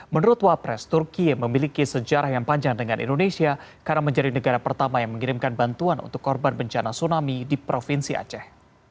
menurut wapres turki memiliki sejarah yang panjang dengan indonesia karena menjadi negara pertama yang mengirimkan bantuan untuk korban bencana tsunami di provinsi aceh